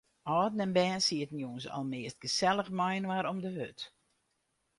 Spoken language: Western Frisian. Alden en bern sieten jûns almeast gesellich mei-inoar om de hurd.